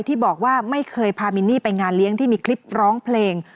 ที่บอกว่าไม่เคยพามินนี่ไปงานเลี้ยงที่มีคลิปร้องเพลง